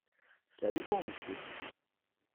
Cela dépend, monsieur.